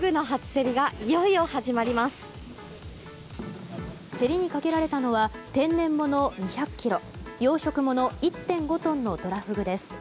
競りにかけられたのは天然物２００ｋｇ養殖物１．５トンのトラフグです。